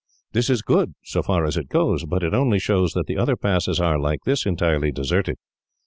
This is good, so far as it goes, but it only shows that the other passes are, like this, entirely deserted.